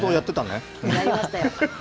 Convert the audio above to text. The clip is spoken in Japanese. やりましたよ。